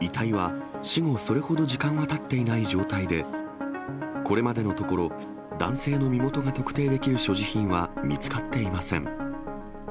遺体は死後それほど時間はたっていない状態で、これまでのところ、男性の身元が特定できる所持品は見つかっていません。